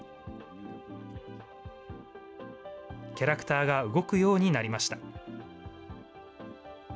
キャラクターが動くようになりました。